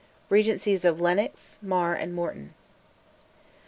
REGENCIES OF LENNOX, MAR, AND MORTON.